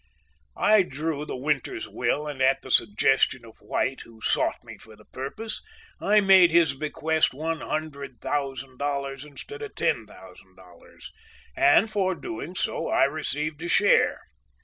"I drew the Winters will and at the suggestion of White, who sought me for the purpose, I made his bequest one hundred thousand dollars instead of ten thousand dollars, and for doing so, I received a share.